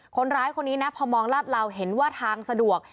คนร้ายคนนี้นะพอมองลาดเหลาเห็นว่าทางสะดวก